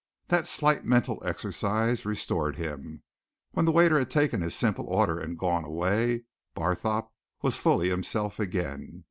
That slight mental exercise restored him; when the waiter had taken his simple order and gone away, Barthorpe was fully himself again.